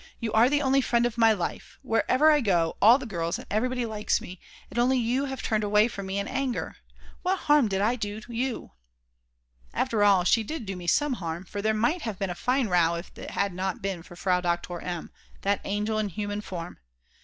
You are the only friend of my life; wherever I go, all the girls and everybody likes me, and only you have turned away from me in anger. What harm did I do you ? After all, she did do me some harm; for there might have been a fine row if it had not been for Frau Doktor M., that angel in human form!